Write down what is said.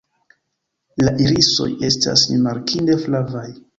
La irisoj estas rimarkinde flavaj.